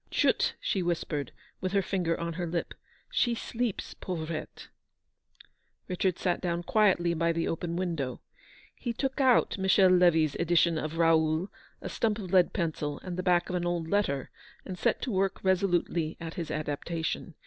" Chut," she whispered, with her finger on her lip, "she sleeps, pauvrette /" Richard sat down quietly by the open window. He took out Michel Levy's edition of " Raoul/' a stump of lead pencil, and the back of an old letter, and set to work resolutely at his adaptation.